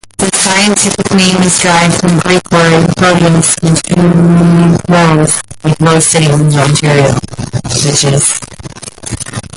The scientific name is derived from the Greek word "rhodeos", meaning "rose".